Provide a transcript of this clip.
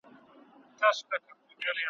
د ځنګله پاچا ولاړ په احترام سو ,